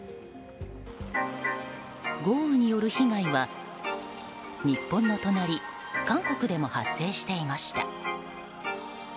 豪雨による被害は、日本の隣韓国でも発生していました。